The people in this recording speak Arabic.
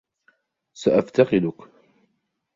سأفتقدك.